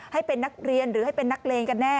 ให้เป็นนักเรียนหรือให้เป็นนักเลงกันแน่